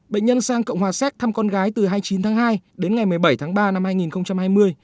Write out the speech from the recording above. bệnh nhân sang cộng hòa séc thăm con gái từ hai mươi chín tháng hai đến ngày một mươi bảy tháng ba năm hai nghìn hai mươi